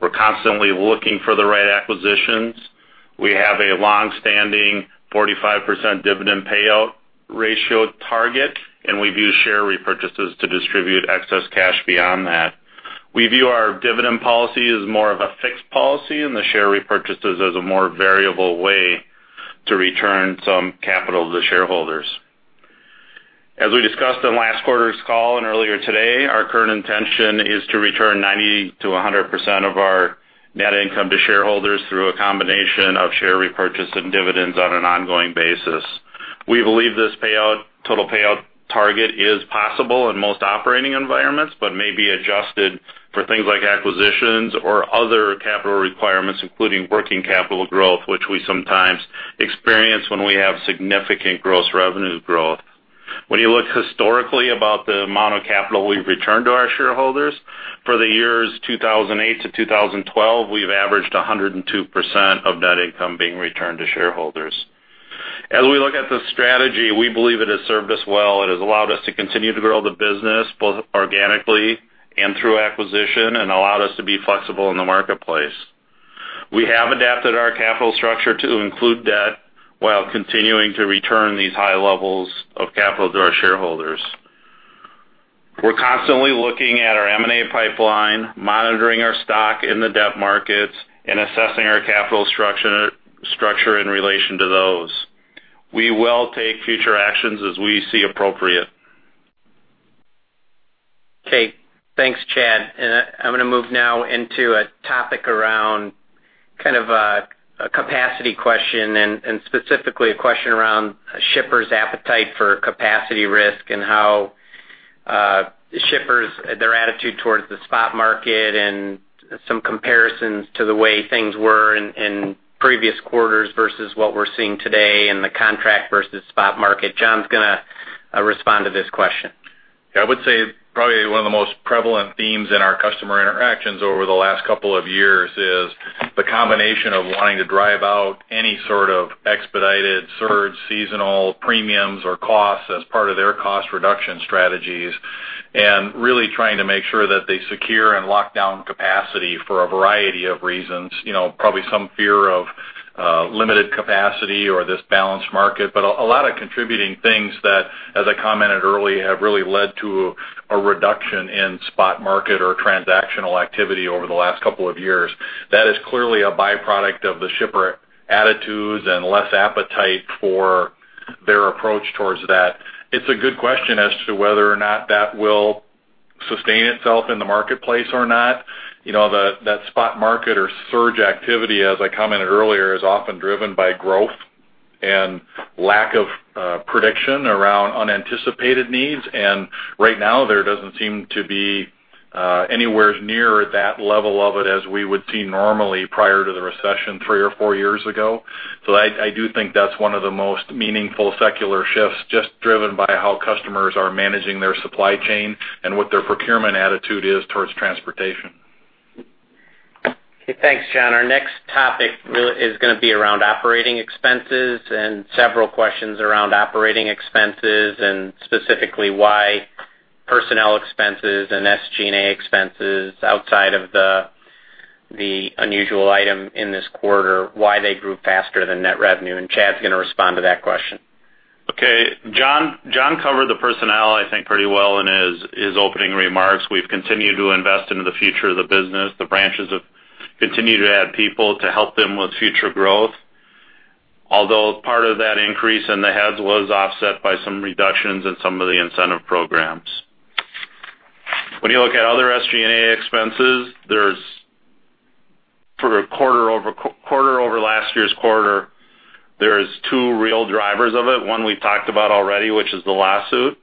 Speaker 4: We're constantly looking for the right acquisitions. We have a long-standing 45% dividend payout ratio target, and we view share repurchases to distribute excess cash beyond that. We view our dividend policy as more of a fixed policy and the share repurchases as a more variable way to return some capital to shareholders. As we discussed on last quarter's call and earlier today, our current intention is to return 90%-100% of our net income to shareholders through a combination of share repurchase and dividends on an ongoing basis. We believe this total payout target is possible in most operating environments, but may be adjusted for things like acquisitions or other capital requirements, including working capital growth, which we sometimes experience when we have significant gross revenue growth. When you look historically about the amount of capital we've returned to our shareholders, for the years 2008-2012, we've averaged 102% of net income being returned to shareholders. As we look at the strategy, we believe it has served us well. It has allowed us to continue to grow the business both organically and through acquisition and allowed us to be flexible in the marketplace. We have adapted our capital structure to include debt while continuing to return these high levels of capital to our shareholders. We're constantly looking at our M&A pipeline, monitoring our stock in the debt markets, and assessing our capital structure in relation to those. We will take future actions as we see appropriate.
Speaker 2: Okay. Thanks, Chad. I'm going to move now into a topic around kind of a capacity question, and specifically a question around a shipper's appetite for capacity risk and how shippers, their attitude towards the spot market and some comparisons to the way things were in previous quarters versus what we're seeing today in the contract versus spot market. John's going to respond to this question.
Speaker 3: I would say probably one of the most prevalent themes in our customer interactions over the last couple of years is the combination of wanting to drive out any sort of expedited surge seasonal premiums or costs as part of their cost reduction strategies, and really trying to make sure that they secure and lock down capacity for a variety of reasons. Probably some fear of limited capacity or this balanced market. A lot of contributing things that, as I commented early, have really led to a reduction in spot market or transactional activity over the last couple of years. That is clearly a byproduct of the shipper attitudes and less appetite for their approach towards that. It's a good question as to whether or not that will sustain itself in the marketplace or not. That spot market or surge activity, as I commented earlier, is often driven by growth and lack of prediction around unanticipated needs. Right now, there doesn't seem to be anywhere near that level of it as we would see normally prior to the recession 3 or 4 years ago. I do think that's one of the most meaningful secular shifts, just driven by how customers are managing their supply chain and what their procurement attitude is towards transportation.
Speaker 2: Okay, thanks, John. Our next topic is going to be around operating expenses and several questions around operating expenses, and specifically why personnel expenses and SG&A expenses outside of the unusual item in this quarter, why they grew faster than net revenue. Chad's going to respond to that question.
Speaker 4: Okay. John covered the personnel, I think, pretty well in his opening remarks. We've continued to invest into the future of the business. The branches have continued to add people to help them with future growth. Although part of that increase in the heads was offset by some reductions in some of the incentive programs. When you look at other SG&A expenses, for quarter over last year's quarter, there's two real drivers of it. One we've talked about already, which is the lawsuit.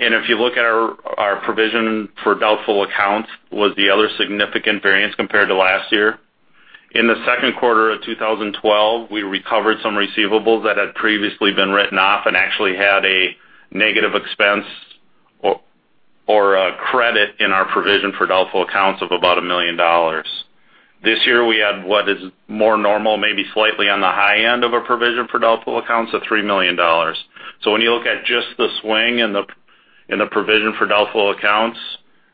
Speaker 4: If you look at our provision for doubtful accounts was the other significant variance compared to last year. In the second quarter of 2012, we recovered some receivables that had previously been written off and actually had a negative expense or a credit in our provision for doubtful accounts of about $1 million. This year we had what is more normal, maybe slightly on the high end of a provision for doubtful accounts of $3 million. When you look at just the swing in the provision for doubtful accounts,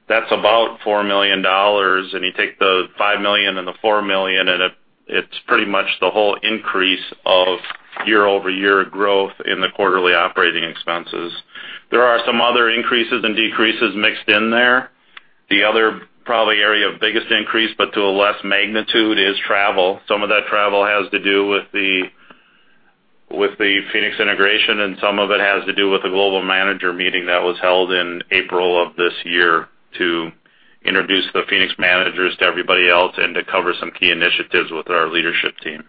Speaker 4: that's about $4 million. You take the $5 million and the $4 million, and it's pretty much the whole increase of year-over-year growth in the quarterly operating expenses. There are some other increases and decreases mixed in there. The other probably area of biggest increase, but to a less magnitude, is travel. Some of that travel has to do with the Phoenix integration, and some of it has to do with the global manager meeting that was held in April of this year to introduce the Phoenix managers to everybody else and to cover some key initiatives with our leadership team.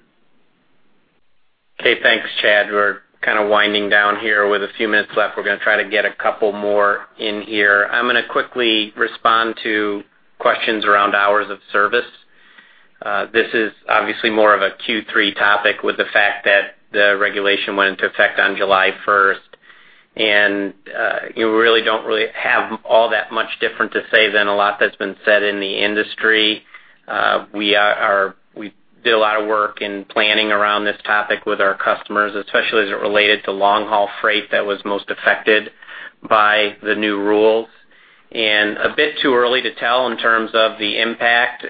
Speaker 2: Okay. Thanks, Chad. We're kind of winding down here with a few minutes left. We're going to try to get a couple more in here. I'm going to quickly respond to questions around Hours of Service. This is obviously more of a Q3 topic with the fact that the regulation went into effect on July 1st, you really don't have all that much different to say than a lot that's been said in the industry. We did a lot of work in planning around this topic with our customers, especially as it related to long-haul freight that was most affected by the new rules. A bit too early to tell in terms of the impact,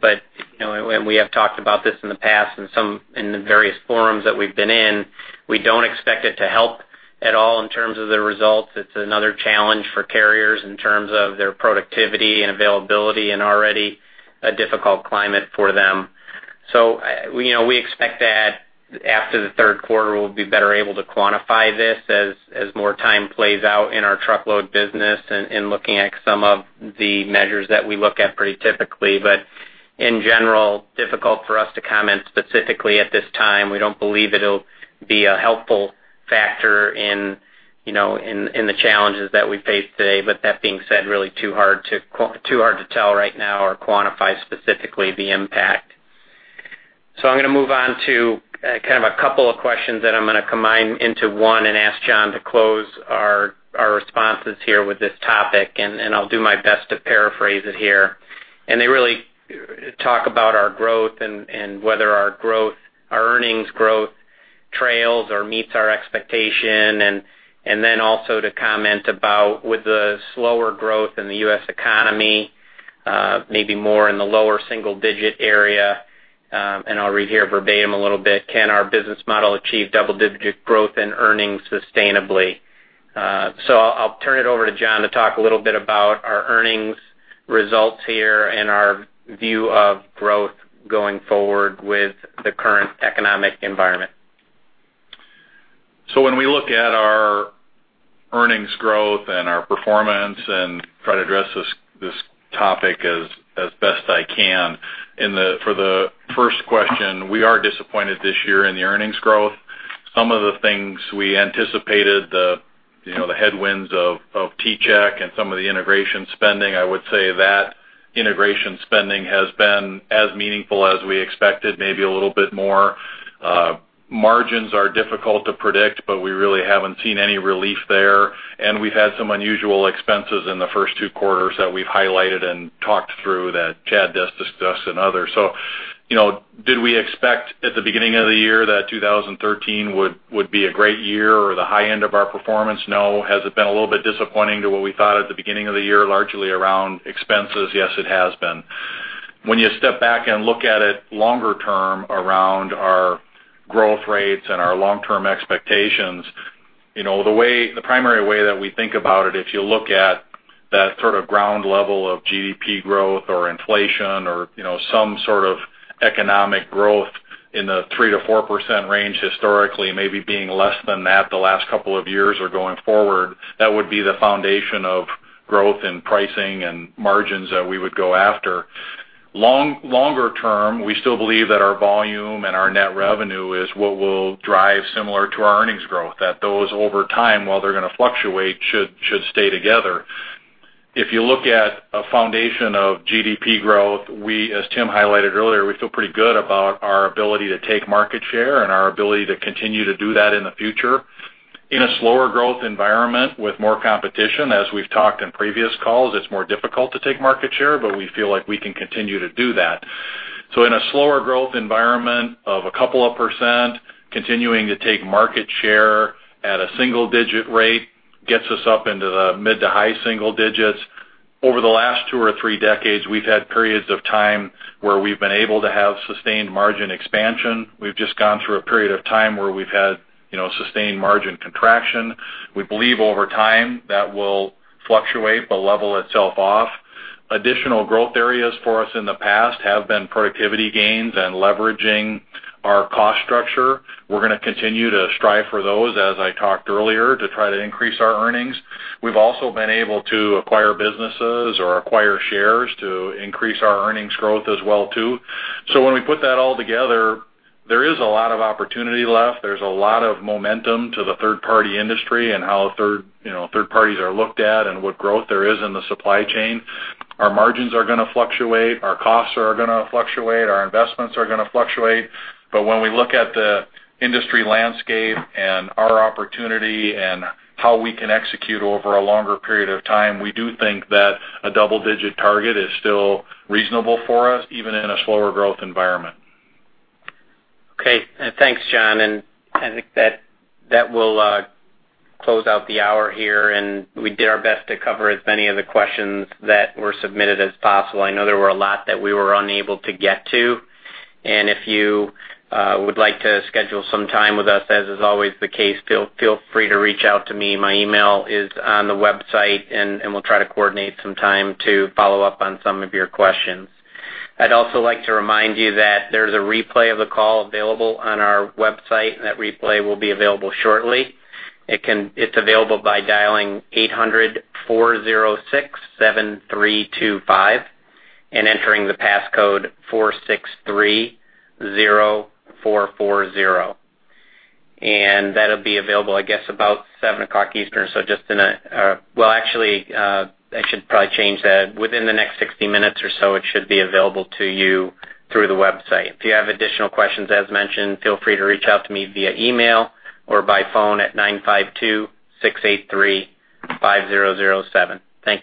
Speaker 2: but we have talked about this in the past in the various forums that we've been in. We don't expect it to help at all in terms of the results. It's another challenge for carriers in terms of their productivity and availability in already a difficult climate for them. We expect that after the third quarter, we'll be better able to quantify this as more time plays out in our truckload business in looking at some of the measures that we look at pretty typically. In general, difficult for us to comment specifically at this time. We don't believe it'll be a helpful factor in the challenges that we face today. That being said, really too hard to tell right now or quantify specifically the impact. I'm going to move on to kind of a couple of questions that I'm going to combine into one and ask John to close our responses here with this topic, and I'll do my best to paraphrase it here. They really talk about our growth and whether our earnings growth trails or meets our expectation, then also to comment about with the slower growth in the U.S. economy, maybe more in the lower single digit area. I'll read here verbatim a little bit, can our business model achieve double-digit growth in earnings sustainably? I'll turn it over to John to talk a little bit about our earnings results here and our view of growth going forward with the current economic environment.
Speaker 3: When we look at our earnings growth and our performance and try to address this topic as best I can, for the first question, we are disappointed this year in the earnings growth. Some of the things we anticipated, the headwinds of T-Chek and some of the integration spending, I would say that integration spending has been as meaningful as we expected, maybe a little bit more. Margins are difficult to predict, but we really haven't seen any relief there, and we've had some unusual expenses in the first two quarters that we've highlighted and talked through that Chad does discuss and others. Did we expect at the beginning of the year that 2013 would be a great year or the high end of our performance? No. Has it been a little bit disappointing to what we thought at the beginning of the year, largely around expenses? Yes, it has been. When you step back and look at it longer term around our growth rates and our long-term expectations, the primary way that we think about it, if you look at that sort of ground level of GDP growth or inflation or some sort of economic growth in the 3%-4% range historically, maybe being less than that the last couple of years or going forward, that would be the foundation of growth in pricing and margins that we would go after. Longer term, we still believe that our volume and our net revenue is what will drive similar to our earnings growth, that those over time, while they're going to fluctuate, should stay together. If you look at a foundation of GDP growth, we, as Tim highlighted earlier, we feel pretty good about our ability to take market share and our ability to continue to do that in the future. In a slower growth environment with more competition, as we've talked in previous calls, it's more difficult to take market share, but we feel like we can continue to do that. In a slower growth environment of a couple of percent, continuing to take market share at a single-digit rate gets us up into the mid to high single digits. Over the last two or three decades, we've had periods of time where we've been able to have sustained margin expansion. We've just gone through a period of time where we've had sustained margin contraction. We believe over time, that will fluctuate but level itself off. Additional growth areas for us in the past have been productivity gains and leveraging our cost structure. We're going to continue to strive for those, as I talked earlier, to try to increase our earnings. We've also been able to acquire businesses or acquire shares to increase our earnings growth as well, too. When we put that all together, there is a lot of opportunity left. There's a lot of momentum to the third-party industry and how third parties are looked at and what growth there is in the supply chain. Our margins are going to fluctuate, our costs are going to fluctuate, our investments are going to fluctuate. When we look at the industry landscape and our opportunity and how we can execute over a longer period of time, we do think that a double-digit target is still reasonable for us, even in a slower growth environment.
Speaker 2: Okay. Thanks, John. I think that will close out the hour here. We did our best to cover as many of the questions that were submitted as possible. I know there were a lot that we were unable to get to. If you would like to schedule some time with us, as is always the case, feel free to reach out to me. My email is on the website, and we'll try to coordinate some time to follow up on some of your questions. I'd also like to remind you that there's a replay of the call available on our website. That replay will be available shortly. It's available by dialing 800-406-7325 and entering the passcode 4,630,440. That'll be available, I guess, about 7:00 P.M. Eastern. Well, actually, I should probably change that. Within the next 60 minutes or so, it should be available to you through the website. If you have additional questions, as mentioned, feel free to reach out to me via email or by phone at 952-683-5007. Thank you.